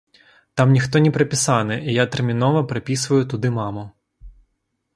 Там ніхто не прапісаны, і я тэрмінова прапісваю туды маму.